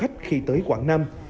khách khi tới quảng nam